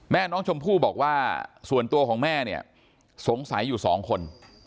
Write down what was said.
แม่น้องชมพู่บอกว่าส่วนตัวของแม่เนี่ยสงสัยอยู่สองคน